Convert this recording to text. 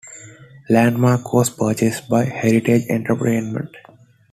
Landmark was purchased by Heritage Entertainment.